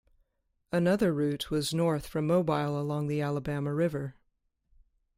Another route was north from Mobile along the Alabama River.